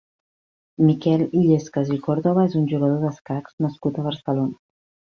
Miquel Illescas i Córdoba és un jugador d'escacs nascut a Barcelona.